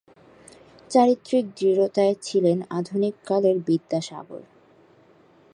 চারিত্রিক দৃঢ়তায় ছিলেন আধুনিক কালের বিদ্যাসাগর।